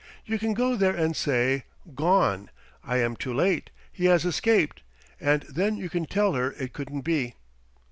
You can go there and say: 'Gone! I am too late! He has escaped.' And then you can tell her it couldn't be."